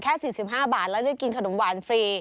๔๕บาทแล้วได้กินขนมหวานฟรี